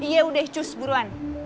yaudah cus buruan